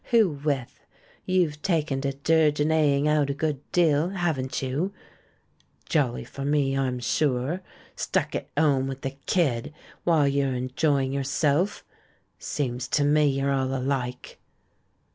Who with? You've taken to dirgennaying out a good deal, haven't you ? Jolly for me, I'm sure — stuck at 'ome with the kid while you're enjoying your self? Seems to me you're all alike."